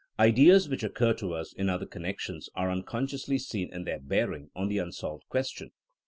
Ideas which occur to us in other connections are unconsciously seen in their bearing on the unsolved question.